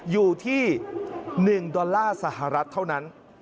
อยู่ที่๑ดอลลาร์สหรัฐเท่านั้น